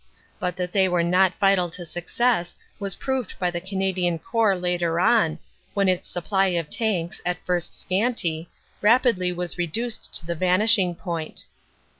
But that they were not vital to success was proved by the Canadian Corps later on, when its supply of tanks, at first scanty, rapidly was reduced to the vanishing point.